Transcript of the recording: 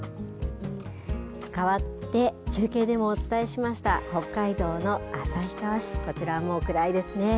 かわって中継でもお伝えしました、北海道の旭川市、こちら、もう暗いですね。